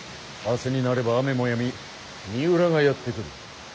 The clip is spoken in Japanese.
明日になれば雨もやみ三浦がやって来る。